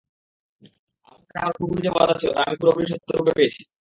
আমার সাথে আমার প্রভুর যে ওয়াদা ছিল তা আমি পুরোপুরি সত্যরূপে পেয়েছি।